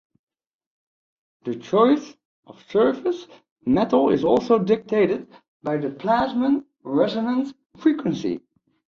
The choice of surface metal is also dictated by the plasmon resonance frequency.